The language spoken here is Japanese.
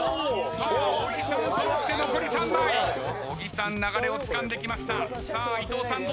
小木さん流れをつかんできました。